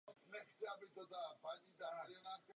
To se zde na krátkém úseku dosti výrazně zužuje.